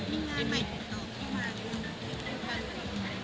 คุณสัมผัสดีครับ